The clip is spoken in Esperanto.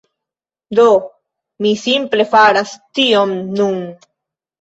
Do, mi simple faras tion nun